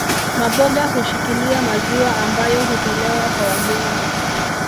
Maboga hushikilia maziwa ambayo hutolewa kwa wageni